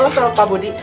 sos pak budi